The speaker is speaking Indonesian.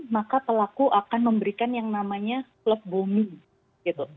maka pelaku akan memberikan yang namanya love booming gitu